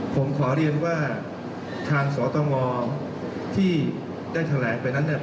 ผมขอเรียนว่าทางสตงที่ได้แถลงไปนั้นเนี่ย